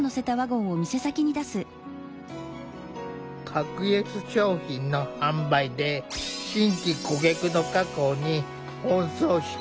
格安商品の販売で新規顧客の確保に奔走した。